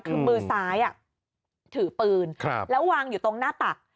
คือมือซ้ายถือปืนแล้ววางอยู่ตรงหน้าตัก